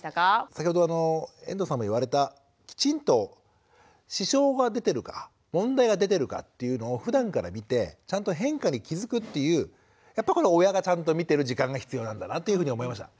先ほど遠藤さんも言われたきちんと支障が出てるか問題が出てるかっていうのをふだんから見てちゃんと変化に気付くっていうやっぱ親がちゃんと見てる時間が必要なんだなというふうに思いました。